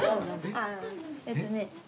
あぁえっとね。